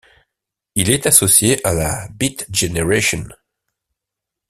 Il est associé à la Beat generation.